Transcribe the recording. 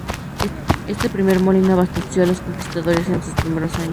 Este primer molino abasteció a los conquistadores en sus primeros años.